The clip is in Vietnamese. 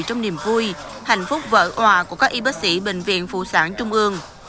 trong niềm vui hạnh phúc vỡ hòa của các y bác sĩ bệnh viện phụ sản trung ương